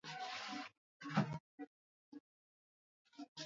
Mikono ya mkamuaji iliyoambukizwa